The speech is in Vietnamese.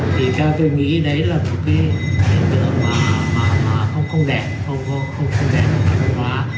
thì theo tôi nghĩ đấy là một cái tựa quả mà không đẹp không đẹp